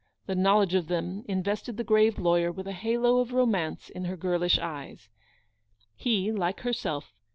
The know ledge of them invested the grave lawyer with a halo of romance in her girlish eyes.